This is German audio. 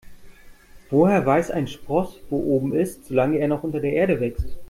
Woher weiß ein Spross, wo oben ist, solange er noch unter der Erde wächst?